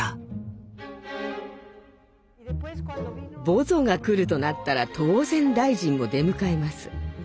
ボゾが来るとなったら当然大臣も出迎えます。